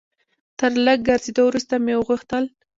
تر لږ ګرځېدو وروسته مې وغوښتل.